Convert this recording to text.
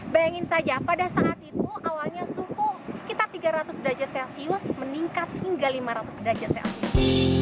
bayangin saja pada saat itu awalnya suhu sekitar tiga ratus derajat celcius meningkat hingga lima ratus derajat celcius